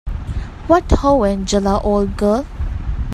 What ho, Angela, old girl.